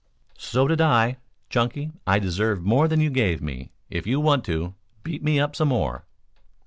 "So did I. Chunky, I deserve more than you gave me. If you want to, beat me up some more."